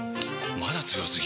まだ強すぎ？！